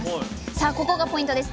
さあここがポイントです！